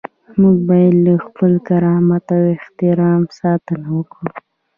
موږ باید له خپل کرامت او احترام ساتنه وکړو.